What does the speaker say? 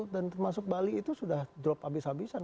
dan termasuk bali itu sudah drop habis habisan